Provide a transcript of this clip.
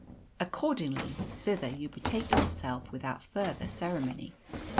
Accordingly, thither you betake yourself without further ceremony.